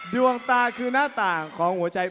ดวงตาคือหน้าต่างของหัวใจ